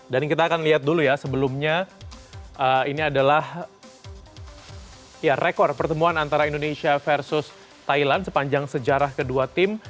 dan kita akan lihat dulu ya sebelumnya ini adalah rekor pertemuan antara indonesia versus thailand sepanjang sejarah kedua tim